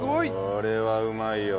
これはうまいよ。